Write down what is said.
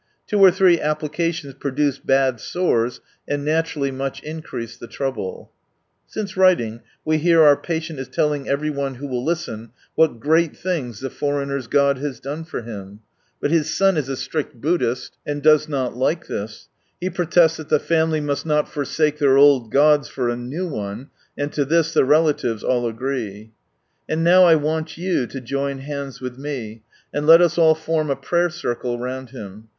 Two or three applications produce bad sores, and naturally much increase the trouble. ... Since writing, we hear our patient is telling every one who will listen, what great things the foreigners' God has done for him. But his son is a strict Buddhist, I cannot. Can God? God can! 43 and does not like this. He protests that the family must not forsake their old gods for a " new one," and to this the relatives all agree. And now I want you to join hands with me, and let us all form a Prayer circle round him.